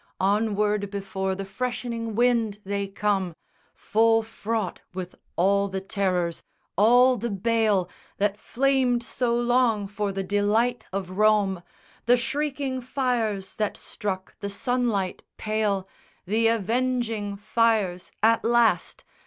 Onward before the freshening wind they come Full fraught with all the terrors, all the bale That flamed so long for the delight of Rome, The shrieking fires that struck the sunlight pale, The avenging fires at last!